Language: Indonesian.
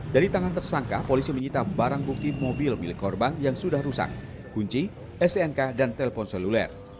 dari tangan tersangka polisi menyita barang bukti mobil milik korban yang sudah rusak kunci stnk dan telpon seluler